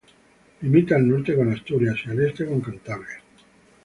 Limita al norte con Asturias y al este con Cantabria.